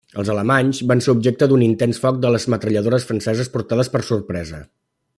Els alemanys van ser objecte d'un intens foc de les metralladores franceses portades per sorpresa.